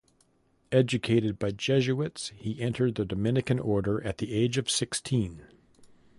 Educated by Jesuits, he entered the Dominican Order at the age of sixteen.